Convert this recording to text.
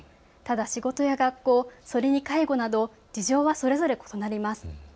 ただ仕事や学校、それに介護など事情はそれぞれ異なります。